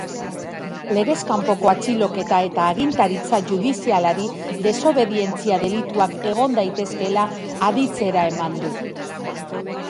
Legez kanpoko atxiloketa eta agintaritza judizialari desobedientzia delituak egon daitezkeela aditzera eman du.